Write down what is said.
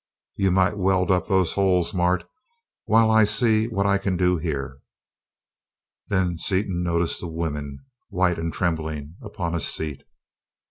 You might weld up those holes, Mart, while I see what I can do here." Then Seaton noticed the women, white and trembling, upon a seat.